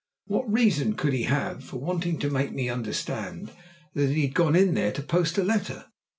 What reason could he have for wanting to make me understand that he had gone in there to post a letter?